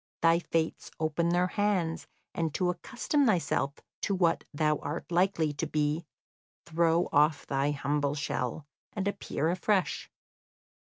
Thy fates open their hands, and to accustom thyself to what thou art likely to be, throw off thy humble shell, and appear afresh.